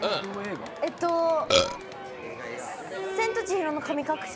えっと「千と千尋の神隠し」？